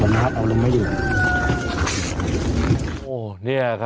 มีอะไรอยากจะบอกถึงญาติของตายนะพี่